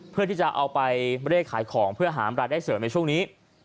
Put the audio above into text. เพื่อที่จะเอาไปเลขขายของเพื่อหารายได้เสริมในช่วงนี้